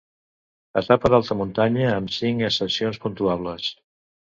Etapa d'alta muntanya, amb cinc ascensions puntuables.